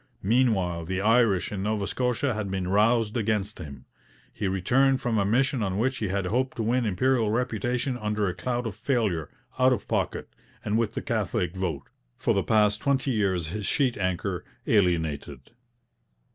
Meanwhile, the Irish in Nova Scotia had been roused against him. He returned from a mission on which he had hoped to win Imperial reputation under a cloud of failure, out of pocket, and with the Catholic vote, for the past twenty years his sheet anchor, alienated.